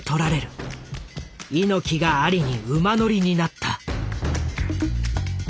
猪木がアリに馬乗りになった。